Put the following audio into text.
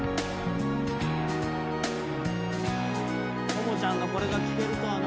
朋ちゃんのこれが聴けるとはな。